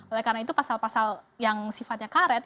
oleh karena itu pasal pasal yang sifatnya karet